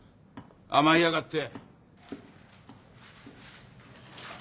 甘えやがって！